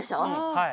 はい。